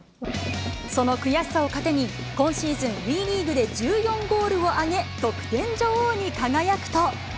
その悔しさを糧に、今シーズン、ＷＥリーグで１４ゴールを挙げ、得点女王に輝くと。